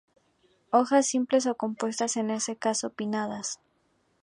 Hojas simples o compuestas, en este caso pinnadas.